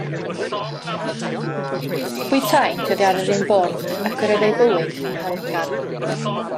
Bwytaent oddi ar yr un bwrdd, ac yr oedd eu bywyd yn hawddgar.